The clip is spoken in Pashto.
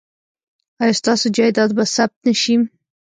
ایا ستاسو جایداد به ثبت نه شي؟